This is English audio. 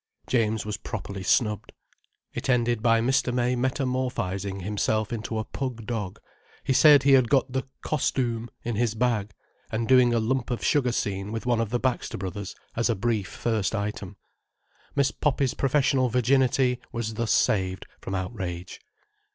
James was properly snubbed. It ended by Mr. May metamorphizing himself into a pug dog: he said he had got the "costoom" in his bag: and doing a lump of sugar scene with one of the Baxter Brothers, as a brief first item. Miss Poppy's professional virginity was thus saved from outrage.